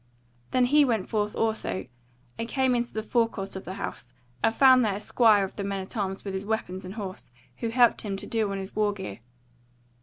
Then he went forth also, and came into the forecourt of the house, and found there a squire of the men at arms with his weapons and horse, who helped him to do on his war gear.